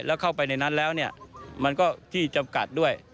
แล้วเข้าไปในนั้นแล้วเนี่ยมันก็ที่จำกัดด้วย